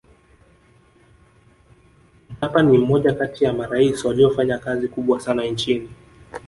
mkapa ni mmoja kati ya maraisi waliyofanya kazi kubwa sana nchini